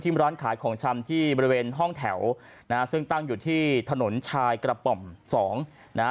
ร้านขายของชำที่บริเวณห้องแถวนะฮะซึ่งตั้งอยู่ที่ถนนชายกระป๋อมสองนะฮะ